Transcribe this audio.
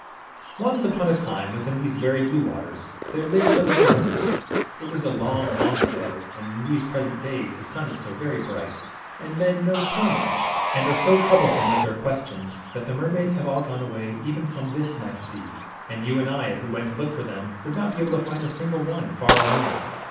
Once upon a time, within these very blue waters, there lived a little mermaid. It was long, long ago, and in these present days the sun is so very bright, and men know so much, and are so troublesome with THE MERMAID. their questions^ that the mermaids have all gone away even from this nice sea \ and you and 1, if we went to look for them, would not be able to find a single one, far or near.